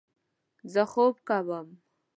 زه خوب کوم